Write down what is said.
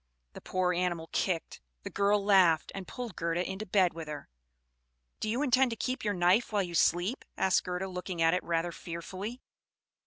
The poor animal kicked; the girl laughed, and pulled Gerda into bed with her. "Do you intend to keep your knife while you sleep?" asked Gerda; looking at it rather fearfully.